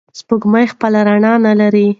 سپوږمۍ خپله رڼا نلري.